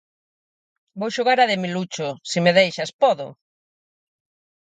Vou xogar á de Milucho, se me deixas, ¿podo?